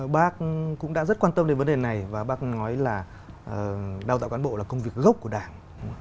bác cũng đã rất quan tâm đến vấn đề này và bác nói là đào tạo cán bộ là công việc gốc của đảng